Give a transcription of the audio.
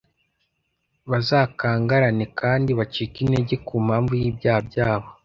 bazakangarane kandi bacike intege ku mpamvu y’ibyaha byabo